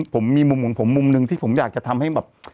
ผมมีมุมหนึ่งที่ผมอยากจะทำให้แบบ